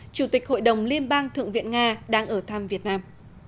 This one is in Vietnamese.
chủ tịch hội đồng liên bang thượng viện nga đang ở thăm việt nam